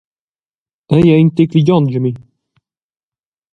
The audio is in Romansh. Dai era in tec ligiongia a mi!